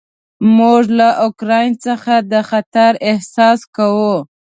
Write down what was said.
موږ له اوکراین څخه د خطر احساس کوو.